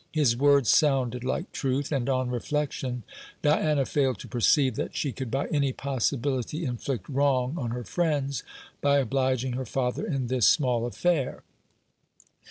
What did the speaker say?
His words sounded like truth; and, on reflection, Diana failed to perceive that she could by any possibility inflict wrong on her friends by obliging her father in this small affair.